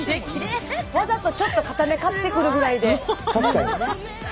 わざとちょっと硬め買ってくるぐらいでいいもんね。